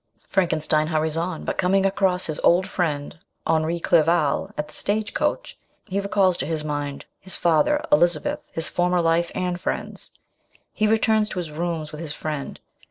Frankenstein hurries on, but coming across his old friend Henri Clerval at the stage coach, he recalls to mind his father, Elizabeth, bis former life and friends. He returns to his rooms with his friend.